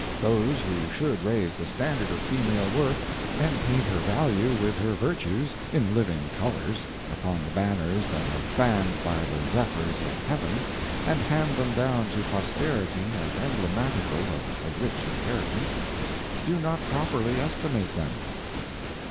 Those who should raise the standard of female worth, and paint her value with her virtues, in living colors, upon the banners that are fanned by the zephyrs of heaven, and hand them down to posterity as emblematical of a rich inheritance, do not properly estimate them.